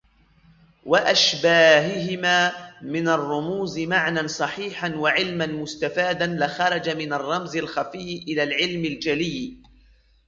وَأَشْبَاهِهِمَا مِنْ الرُّمُوزِ مَعْنًى صَحِيحًا وَعِلْمًا مُسْتَفَادًا لَخَرَجَ مِنْ الرَّمْزِ الْخَفِيِّ إلَى الْعِلْمِ الْجَلِيِّ